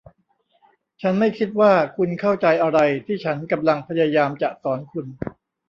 ฉันไม่คิดว่าคุณเข้าใจอะไรที่ฉันกำลังพยายามจะสอนคุณ